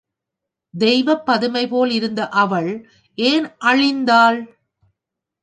தெய்வப் பதுமைபோல் இருந்த அவள் ஏன் அழிந்தாள்?.